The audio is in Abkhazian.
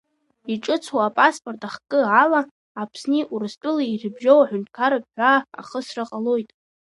Иҿыцу апаспорт ахкы ала Аԥсни Урыстәылеи ирыбжьоу аҳәынҭқарратә ҳәаа ахысра ҟалоит.